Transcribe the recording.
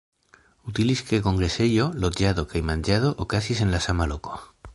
Utilis ke kongresejo, loĝado kaj manĝado okazis en la sama loko.